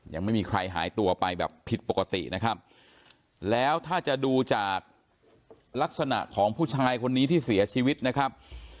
ยังไม่มีใครหายตัวไปแบบผิดปกตินะครับแล้วถ้าจะดูจากลักษณะของผู้ชายคนนี้ที่เสียชีวิตนะครับ